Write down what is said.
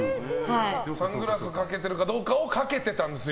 サングラスかけてるかどうかでかけてたんですよ。